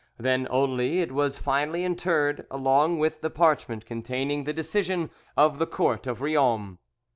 Then only it was finally interred, along with the parchment containing the decision of the Court of Riom.